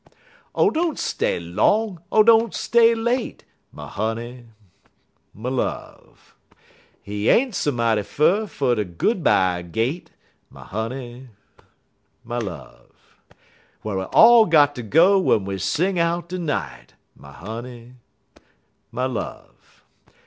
Oh, don't stay long! Oh, don't stay late! My honey, my love! Hit ain't so mighty fur ter de Good by Gate, My honey, my love! Whar we all got ter go w'en we sing out de night, My honey, my love!